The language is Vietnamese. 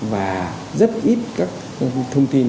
và rất ít các thông tin